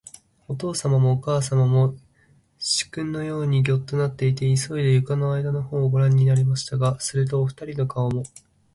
おとうさまもおかあさまも、始君のようすにギョッとなすって、いそいで、床の間のほうをごらんになりましたが、すると、おふたりの顔も、